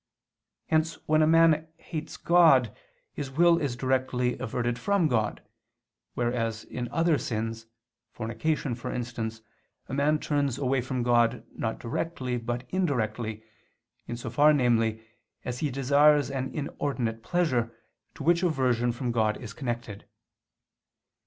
Hence when a man hates God, his will is directly averted from God, whereas in other sins, fornication for instance, a man turns away from God, not directly, but indirectly, in so far, namely, as he desires an inordinate pleasure, to which aversion from God is connected.